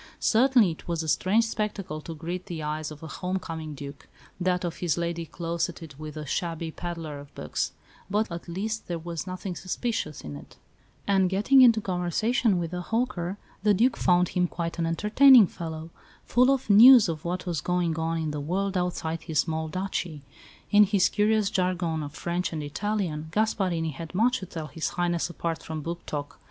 Certainly it was a strange spectacle to greet the eyes of a home coming Duke that of his lady closeted with a shabby pedlar of books; but at least there was nothing suspicious in it, and, getting into conversation with the "hawker," the Duke found him quite an entertaining fellow, full of news of what was going on in the world outside his small duchy. In his curious jargon of French and Italian, Gasparini had much to tell His Highness apart from book talk.